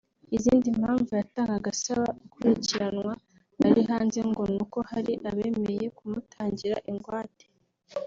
Izindi mpamvu yatangaga asaba gukurikiranwa ari hanze ngo nuko hari abemeye kumutangira ingwate